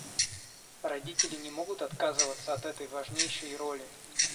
Родители не могут отказываться от этой важнейшей роли.